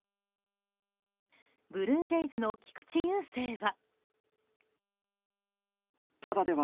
ブルージェイズの菊池雄星は。